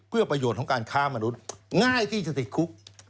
เพื่อประโยชน์ของการค้ามนุษย์ง่ายที่จะติดคุก